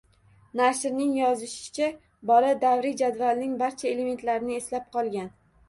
Nashrning yozishicha, bola davriy jadvalning barcha elementlarini eslab qolgan.